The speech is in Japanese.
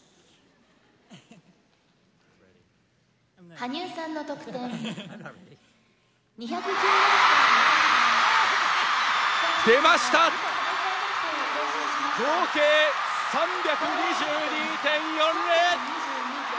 「羽生さんの得点２１６．０７」。出ました！合計３２２．４０！